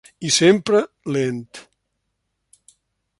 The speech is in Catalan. I sempre lent.